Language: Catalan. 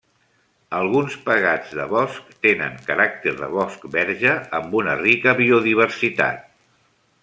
Alguns pegats de bosc tenen caràcter de bosc verge amb una rica biodiversitat.